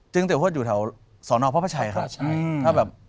จึงเตี๋ยวหวัดอยู่แถวสอนออกพระพระชัยครับ